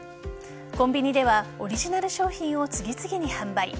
コンビニではオリジナル商品を次々に販売。